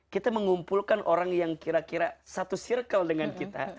kita mengumpulkan orang yang kira kira satu circle dengan kita